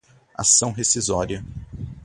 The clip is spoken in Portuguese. ação rescisória